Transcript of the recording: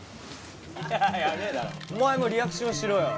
お前もリアクションしろよ